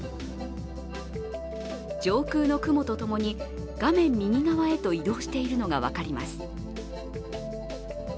上空の雲と共に画面右側へと移動しているのが分かります。